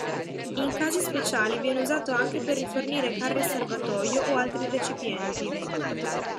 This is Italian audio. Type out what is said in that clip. In casi speciali viene usato anche per rifornire carri serbatoio o altri recipienti.